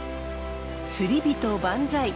「釣りびと万歳」。